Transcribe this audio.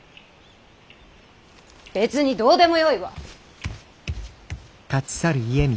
別にどうでもよいわ。